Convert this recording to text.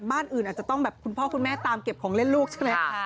บ้านอื่นอาจจะต้องแบบคุณพ่อคุณแม่ตามเก็บของเล่นลูกใช่ไหมคะ